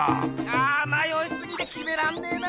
あまよいすぎてきめらんねえな！